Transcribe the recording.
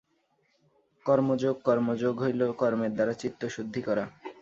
কর্মযোগ কর্মযোগ হইল কর্মের দ্বারা চিত্তশুদ্ধি করা।